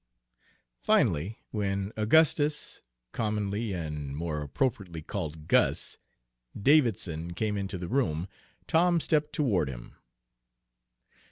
Finally, when Augustus, commonly and more appropriately called "Gus," Davidson came into the room, Tom stepped toward him.